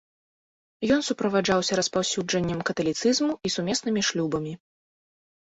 Ён суправаджаўся распаўсюджаннем каталіцызму і сумеснымі шлюбамі.